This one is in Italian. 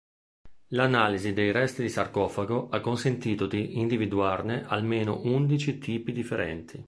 L’analisi dei resti di sarcofago ha consentito di individuarne almeno undici tipi differenti.